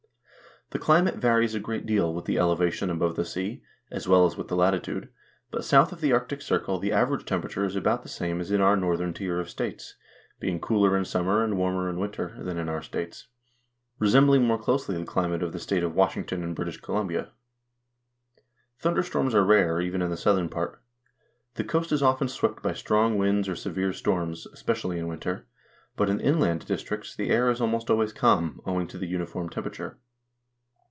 The climate varies a great deal with the elevation above the sea, as well as with the latitude, but south of the arctic circle the average tem perature is about the same as in our northern tier of states, being cooler in summer, and warmer in winter, than in our states ; resembling more closely the climate of the state of Washington and British Columbia. Thunderstorms are rare, even in the southern part. The coast is often swept by strong winds or severe storms, especially in winter, but in the inland districts the air is almost always calm, owing to the uniform temperature.